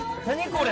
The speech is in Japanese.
これ。